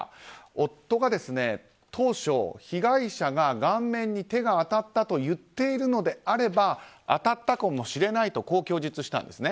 夫が当初被害者が顔面に手が当たったと言っているのであれば当たったかもしれないとこう供述したんですね。